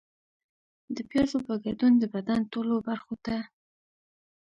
د پیازو په ګډون د بدن ټولو برخو ته